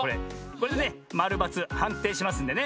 これでねまるばつはんていしますんでね。